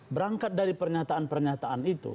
berangkat dari pernyataan pernyataan itu